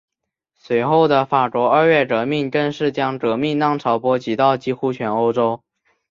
随后的法国二月革命更是将革命浪潮波及到几乎全欧洲。